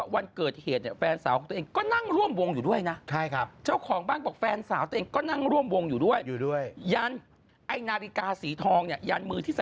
วันเกิดเหตุเนี่ยแฟนสาวของตัวเองก็นั่งร่วมวงอยู่ด้วยนะ